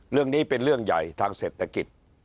เรื่องนี้เป็นเรื่องใหญ่ทางเศรษฐกิจ